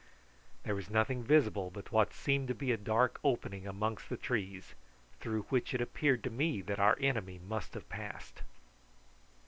There was nothing visible but what seemed to be a dark opening amongst the trees, through which it appeared to me that our enemy must have passed.